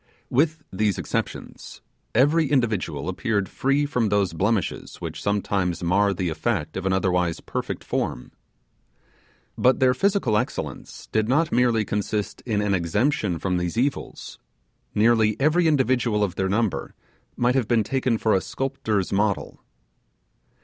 With these exceptions, every individual appeared free from those blemishes which sometimes mar the effect of an otherwise perfect form. But their physical excellence did not merely consist in an exemption from these evils; nearly every individual of their number might have been taken for a sculptor's model.